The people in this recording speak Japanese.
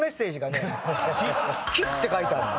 「き」って書いてあるの。